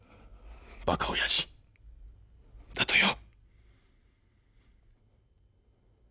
「馬鹿親父」だとよ。